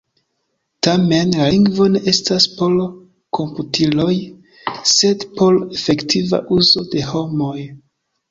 Tamen, la lingvo ne estas por komputiloj sed por efektiva uzo de homoj.